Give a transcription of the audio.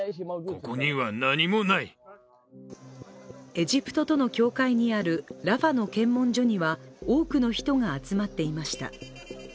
エジプトとの境界にあるラファの検問所には多くの人が集まっていました。